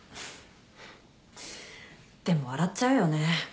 でも笑っちゃうよね。